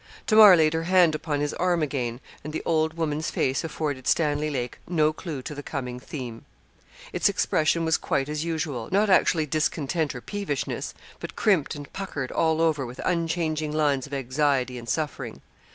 Tamar laid her hand upon his arm again; and the old woman's face afforded Stanley Lake no clue to the coming theme. Its expression was quite as usual not actually discontent or peevishness, but crimped and puckered all over with unchanging lines of anxiety and suffering.